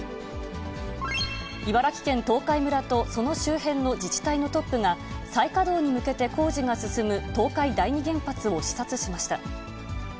茨城県東海村とその周辺の自治体のトップが、再稼働に向けて工事が進む東海第二原発を視察しました。